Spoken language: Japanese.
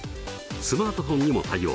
スマートフォンにも対応。